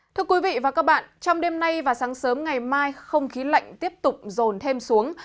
thưa quý vị và các bạn trong đêm nay và sáng sớm ngày mai không khí lạnh tiếp tục rồn thêm xuống